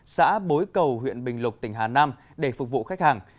xã bối cầu huyện bình lục tỉnh hà nam để phục vụ khách hàng